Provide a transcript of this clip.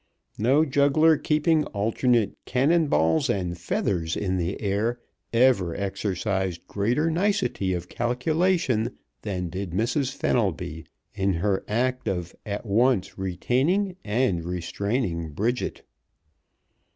No juggler keeping alternate cannon balls and feathers in the air ever exercised greater nicety of calculation than did Mrs. Fenelby in her act of at once retaining and restraining Bridget.